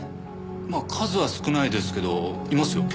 まあ数は少ないですけどいますよ。